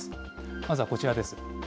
まずはこちらです。